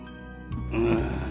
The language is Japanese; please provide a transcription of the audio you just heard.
うん。